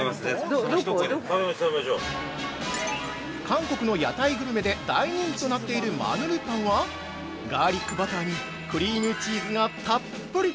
◆韓国の屋台グルメで大人気となっているマヌルパンはガーリックバターにクリームチーズがたっぷり！